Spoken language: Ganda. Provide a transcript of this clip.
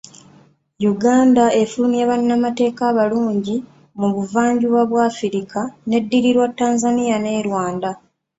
Uganda efulumya bannamateeka abalungi mu buvannjuba bwa Africa neddirirwa Tanzania ne Rwanda.